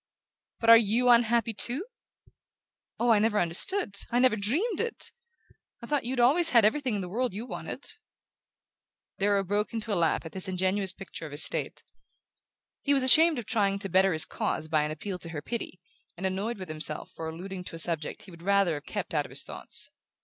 "But are YOU unhappy too? Oh, I never understood I never dreamed it! I thought you'd always had everything in the world you wanted!" Darrow broke into a laugh at this ingenuous picture of his state. He was ashamed of trying to better his case by an appeal to her pity, and annoyed with himself for alluding to a subject he would rather have kept out of his thoughts.